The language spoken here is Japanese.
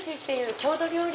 郷土料理？